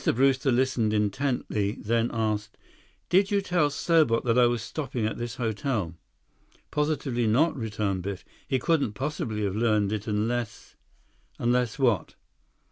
Brewster listened intently, then asked: "Did you tell Serbot that I was stopping at this hotel?" "Positively not," returned Biff. "He couldn't possibly have learned it—unless—" "Unless what?"